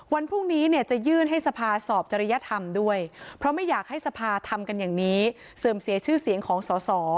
วันพรุ่งนี้เนี่ยจะยื่นให้สภาสอบจริยธรรมด้วยเพราะไม่อยากให้สภาทำกันอย่างนี้เสื่อมเสียชื่อเสียงของสอสอ